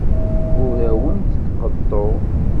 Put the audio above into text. Ur awent-d-qeḍḍuɣ.